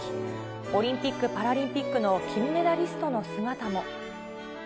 オリンピック・パラリンピックの金メダリストの姿も。